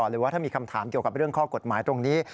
หรือว่าถ้ามีคำถามเกี่ยวกับเรื่องข้อกฎหมายตรงนี้